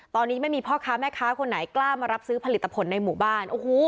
ตอนนี้ไม่มีพ่อค้าแม่ค้าคนไหนกล้ามารับซื้อผลิตผลในหมู่บ้าน